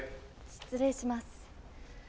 失礼します。